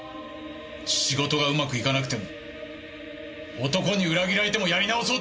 仕事がうまくいかなくても男に裏切られてもやり直そうとしてた！